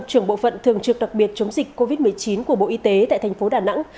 trưởng bộ phận thường trực đặc biệt chống dịch covid một mươi chín của bộ y tế tại thành phố đà nẵng